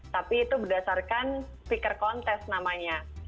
tapi itu berdasarkan speaker contest namanya